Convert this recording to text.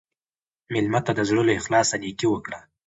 مېلمه ته د زړه له اخلاصه نیکي وکړه.